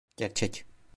Gerçek.